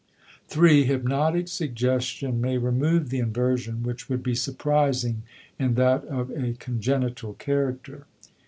(3) Hypnotic suggestion may remove the inversion, which would be surprising in that of a congenital character.